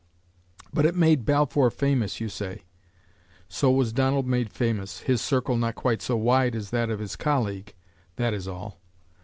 But it made Balfour famous, you say. So was Donald made famous, his circle not quite so wide as that of his colleague that is all.